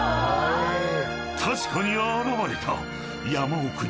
［確かに現れた］